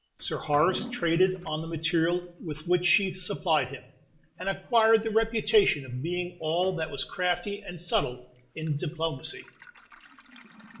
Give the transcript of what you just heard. Sir Horace traded on the material with which she supplied him, and acquired the reputation of being all that was crafty and subtle in diplomacy.